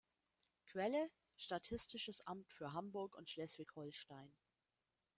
Quelle: Statistisches Amt für Hamburg und Schleswig-Holstein.